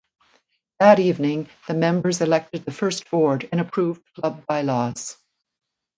That evening the members elected the first board and approved club bylaws.